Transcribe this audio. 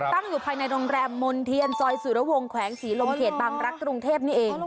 ตั้งอยู่ภายในโรงแรมมนเทียนซอยสุรวงศ์แขวงศรีลมเขตบางรักษ์กรุงเทพนี่เอง